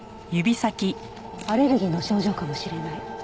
アレルギーの症状かもしれない。